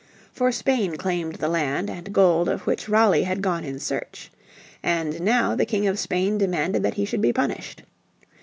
For Spain claimed the land and gold of which Raleigh had gone in search. And now the King of Spain demanded that he should be punished.